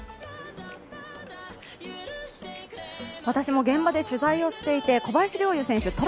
私も現場で取材をしていて小林陵侑選手